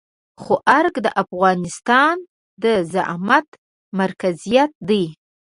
خو ارګ د افغانستان د زعامت مرکزيت دی.